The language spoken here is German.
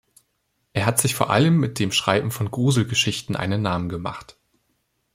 Er hat sich vor allem mit dem Schreiben von Gruselgeschichten einen Namen gemacht.